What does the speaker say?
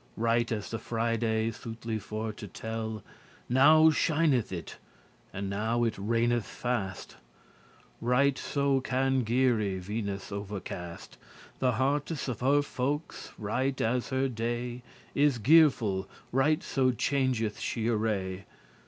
briars Right as the Friday, soothly for to tell, Now shineth it, and now it raineth fast, Right so can geary* Venus overcast *changeful The heartes of her folk, right as her day Is gearful*, right so changeth she array.